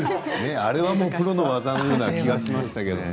あれはもうプロの技のような気がしましたけどね。